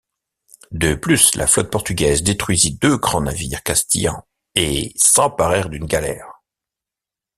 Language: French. De plus, la flotte portugaise détruisit deux grands navires castillans et s'emparèrent d'une galère.